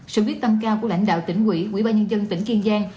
sự quyết tâm cao của lãnh đạo tỉnh quỹ quỹ ba nhân dân tỉnh kiên giang